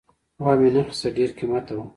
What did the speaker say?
وامې نه خیسته ډېر قیمته وو